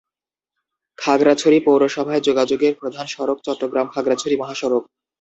খাগড়াছড়ি পৌরসভায় যোগাযোগের প্রধান সড়ক চট্টগ্রাম-খাগড়াছড়ি মহাসড়ক।